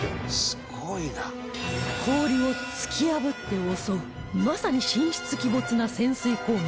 「すごいな」氷を突き破って襲うまさに神出鬼没な潜水攻撃